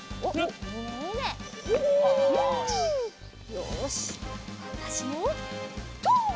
よしわたしもとうっ！